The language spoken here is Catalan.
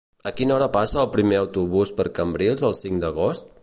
A quina hora passa el primer autobús per Cambrils el cinc d'agost?